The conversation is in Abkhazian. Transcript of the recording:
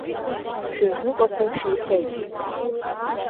Шәыҩныҟақәа шәеихеит.